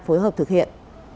phối hợp thực hiện